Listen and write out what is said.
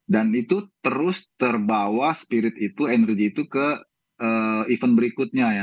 dan itu terus terbawa spirit itu energy itu ke event berikutnya